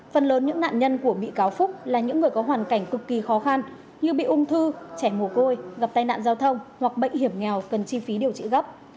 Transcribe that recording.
phần lớn những nạn nhân của bị cáo phúc là những người có hoàn cảnh cực kỳ khó khăn như bị ung thư trẻ mồ côi gặp tai nạn giao thông hoặc bệnh hiểm nghèo cần chi phí điều trị gấp